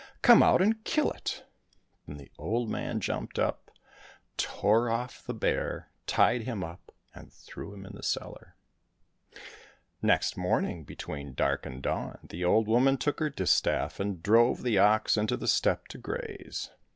Come out and kill it !" Then the old man jumped up, tore off the bear, tied him up, and threw him in the cellar. Next morning, between dark and dawn, the old woman took her distaff and drove the ox into the steppe to graze.